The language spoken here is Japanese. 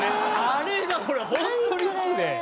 あれが俺ホントに好きで。